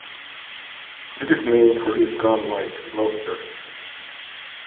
It is named for its gum-like luster.